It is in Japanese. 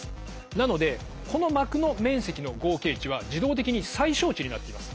なのでこの膜の面積の合計値は自動的に最小値になっています。